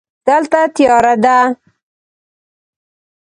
دلته تیاره ده.